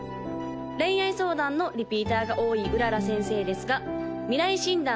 恋愛相談のリピーターが多い麗先生ですが未来診断